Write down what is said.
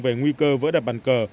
về nguy cơ vỡ đập bàn cờ